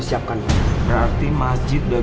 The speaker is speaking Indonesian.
siapa yang marah